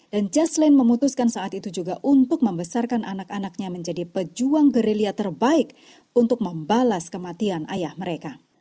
dan jaseline memutuskan saat itu juga untuk membesarkan anak anaknya menjadi pejuang gerilya terbaik untuk membalas kematian ayah mereka